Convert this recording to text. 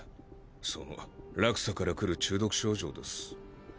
その落差からくる中毒症状です。